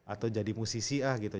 atau jadi musisi ah gitu